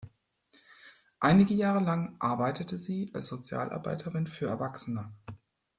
Einige Jahre lang arbeitete sie als Sozialarbeiterin für Erwachsene.